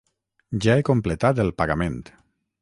Ja he completat el pagament.